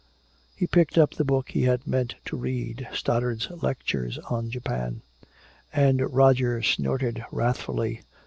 He picked up the book he had meant to read Stoddard's "Lectures on Japan." And Roger snorted wrathfully.